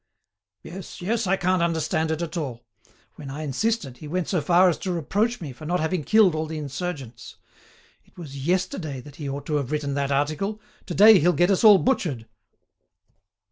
"Yes! yes! I can't understand it at all. When I insisted, he went so far as to reproach me for not having killed all the insurgents. It was yesterday that he ought to have written that article; to day he'll get us all butchered!"